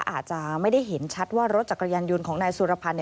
อาจจะไม่ได้เห็นชัดว่ารถจักรยานยนต์ของนายสุรพันธ์